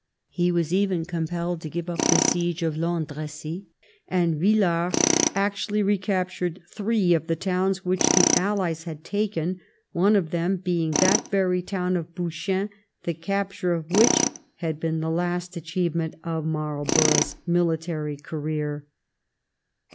He was even compelled to give up the siege of Landrecies, and Villars actually recaptured three of the towns which the Allies had taken, one of them being that very town of Bouchain the capture of which had been the last achievement of Marl borough's military career.